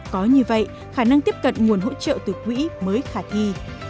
có như vậy khả năng tiếp cận nguồn hỗ trợ từ quỹ mới khả thi